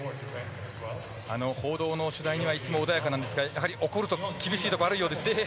報道の取材にはいつも穏やかなんですが怒ると厳しいところがあるようですね。